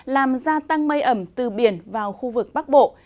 làm gia tăng mây ẩm từ biển vào khu vực bắc bộ